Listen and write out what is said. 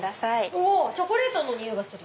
うわチョコレートの匂いがする！